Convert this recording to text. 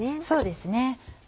そうですね。